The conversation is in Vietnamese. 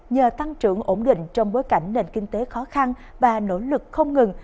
nhờ tăng trưởng ổn định trong bối cảnh nền kinh tế khó khăn và nỗ lực không ngừng